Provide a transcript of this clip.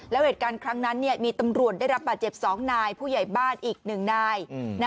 แล้วเหตุการณ์ครั้งนั้นมีตำรวจได้รับบาดเจ็บ๒นายผู้ใหญ่บ้านอีก๑นาย